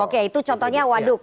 oke itu contohnya waduk